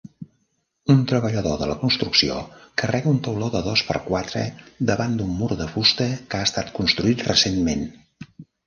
Un treballador de la construcció carrega un tauló de dos per quatre davant d'un mur de fusta que ha estat construït recentment.